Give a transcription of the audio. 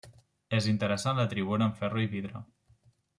És interessant la tribuna amb ferro i vidre.